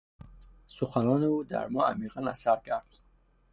سخنان او در ما عمیقا اثر کرد.